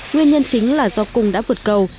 nguyên nhân chính là do cung đã vượt cầu